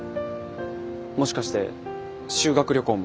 もしかして修学旅行も。